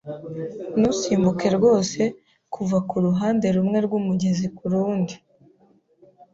Nusimbuka rwose kuva kuruhande rumwe rwumugezi kurundi.